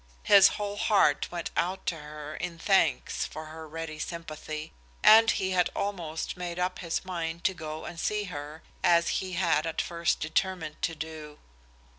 His whole heart went out to her in thanks for her ready sympathy, and he had almost made up his mind to go and see her, as he had at first determined to do.